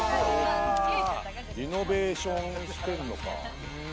リノベーションしてるのか？